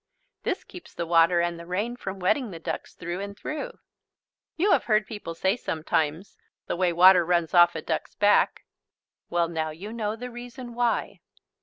This keeps the water and the rain from wetting the ducks through and through. You have heard people say sometimes: "The way water runs off a duck's back." Well, now you know the reason why.